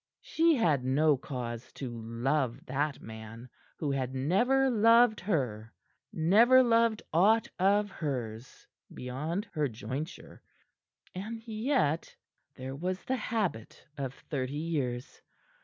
She had no cause to love that man who had never loved her, never loved aught of hers beyond her jointure. And yet, there was the habit of thirty years.